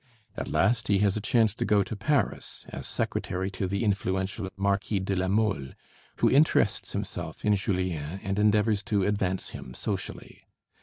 At last he has a chance to go to Paris, as secretary to the influential Marquis de La Mole, who interests himself in Julien and endeavors to advance him socially.